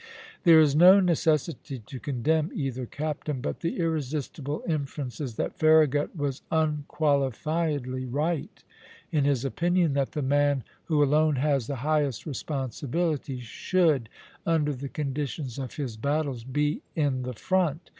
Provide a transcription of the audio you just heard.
There is no necessity to condemn either captain; but the irresistible inference is that Farragut was unqualifiedly right in his opinion that the man who alone has the highest responsibility should, under the conditions of his battles, be in the front.